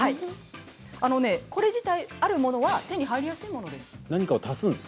これ自体、あるものは手に入りやすいものなんです。